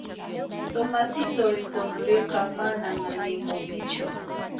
Tomasitoy Condoriqa, manam limbopichu.